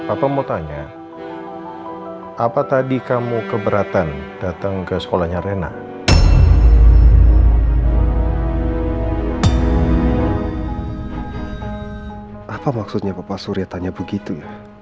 apa yang gue dilihat tapi begitu